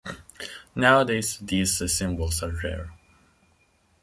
Nowadays these symbols are rare.